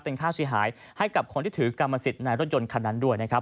เป็นค่าเสียหายให้กับคนที่ถือกรรมสิทธิ์ในรถยนต์คันนั้นด้วยนะครับ